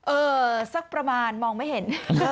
สักประมาณมองไม่เห็น